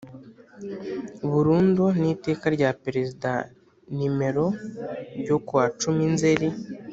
burundu n Iteka rya Perezida nimero ryo ku wa cumi nzeri